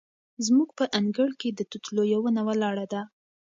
زموږ په انګړ کې د توت لویه ونه ولاړه ده.